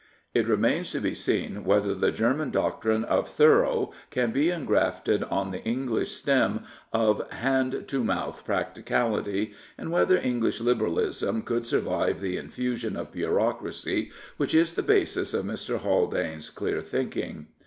*' It remains to be seen whether the German doctrine of " thorough '* can be engrafted on the English stem of hand to mouth practicality, and whether English Liberalism could survive the infusion of bureaucracy which is the basis of Mr. Haldane's clear think ing.